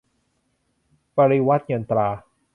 ปริวรรตเงินตรา